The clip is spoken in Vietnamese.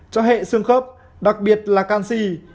cho hệ xương khớp đặc biệt là canxi